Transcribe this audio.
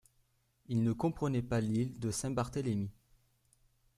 Il ne comprenait pas l'île de Saint-Barthélémy.